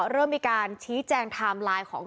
เริ่มมีการชี้แจงไทม์ไลน์ของ